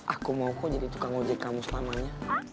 aku mau kok jadi tukang ojek kamu selamanya